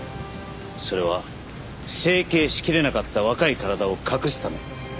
それは整形しきれなかった若い体を隠すため。